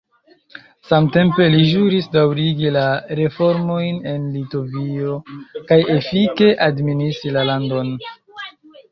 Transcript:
Samtempe li ĵuris daŭrigi la reformojn en Litovio kaj efike administri la landon.